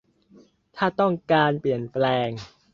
ถ้าต้องการเปลี่ยนแปลง